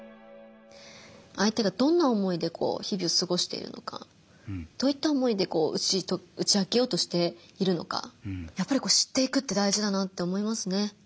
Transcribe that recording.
相手がどんな思いでこう日々を過ごしているのかどういった思いでこう打ち明けようとしているのかやっぱり知っていくって大事だなって思いますね。